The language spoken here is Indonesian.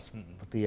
seperti yang kita